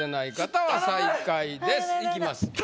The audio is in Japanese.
いきます。